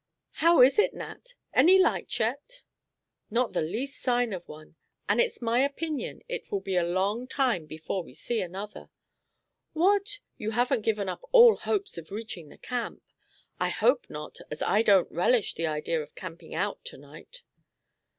"How is it, Nat? Any light yet?" "Not the least sign of one, and it's my opinion it will be a long time before we see another." "What! you haven't given up all hopes of reaching the camp? I hope not, as I don't relish the idea of camping out to night."